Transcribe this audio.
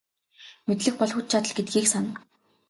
Мэдлэг бол хүч чадал гэдгийг сана.